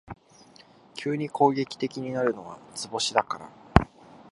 急に攻撃的になるのは図星だから